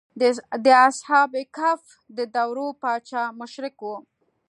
د اصحاب کهف د دور پاچا مشرک و.